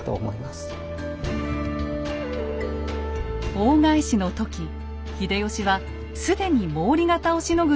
大返しの時秀吉は既に毛利方をしのぐ